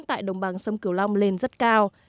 tại đồng bằng sông cửu long lên rất cao